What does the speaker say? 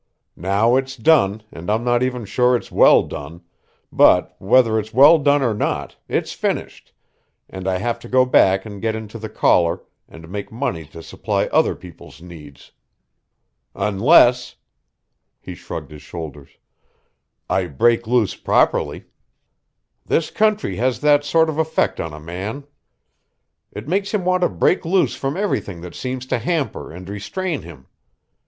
Now it's done and I'm not even sure it's well done but whether it's well done or not, it's finished, and I have to go back and get into the collar and make money to supply other people's needs. Unless," he shrugged his shoulders, "I break loose properly. This country has that sort of effect on a man. It makes him want to break loose from everything that seems to hamper and restrain him.